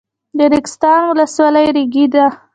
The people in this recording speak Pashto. د ریګستان ولسوالۍ ریګي ده